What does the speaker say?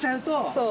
そう。